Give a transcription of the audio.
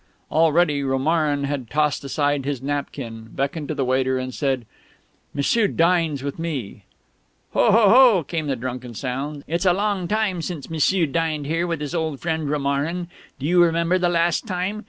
Already Romarin had tossed aside his napkin, beckoned to the waiter, and said, "M'sieu dines with me...." "Ho ho ho ho!" came the drunken sounds. "It's a long time since M'sieu dined here with his old friend Romarin! Do you remember the last time?